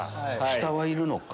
下はいるのか？